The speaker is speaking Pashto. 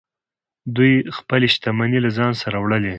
دوی خپلې شتمنۍ له ځان سره وړلې